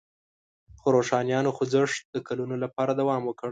خو روښانیانو خوځښت د کلونو لپاره دوام وکړ.